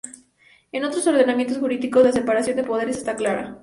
En otros ordenamientos jurídicos, la separación de poderes está clara.